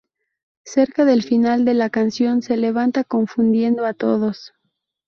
Cerca del final de la canción, se levanta, confundiendo a todos.